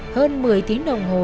hơn một mươi tiếng đồng hồ